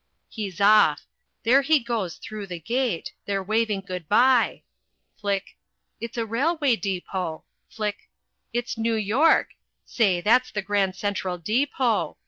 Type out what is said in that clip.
He's off there he goes through the gate they're waving good bye flick it's a railway depot flick it's New York say! That's the Grand Central Depot!